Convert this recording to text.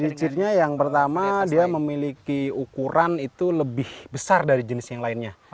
jujurnya yang pertama dia memiliki ukuran itu lebih besar dari jenis yang lainnya